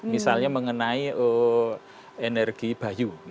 misalnya mengenai energi bayu